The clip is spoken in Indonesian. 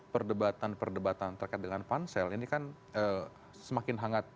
perdebatan perdebatan terkait dengan pansel ini kan semakin hangat